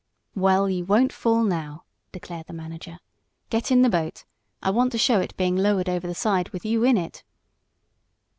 "Well, you won't fall now," declared the manager. "Get in the boat. I want to show it being lowered over the side with you in it."